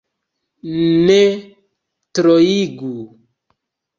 Ne troigu.